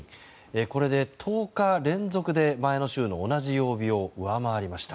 これで１０日連続で前の週の同じ曜日を上回りました。